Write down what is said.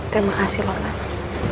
terima kasih lohas